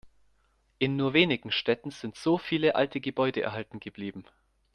In nur wenigen Städten sind so viele alte Gebäude erhalten geblieben.